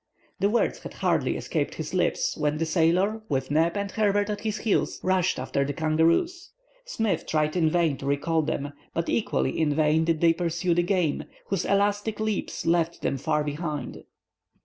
The words had hardly escaped his lips, when the sailor, with Neb and Herbert at his heels, rushed after the kangaroos. Smith tried in vain to recall them, but equally in vain did they pursue the game, whose elastic leaps left them far behind.